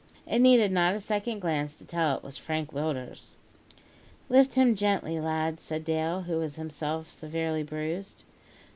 It needed not a second glance to tell that it was Frank Willders. "Lift him gently, lads," said Dale, who was himself severely bruised.